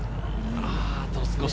あと少し。